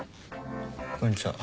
こんにちは。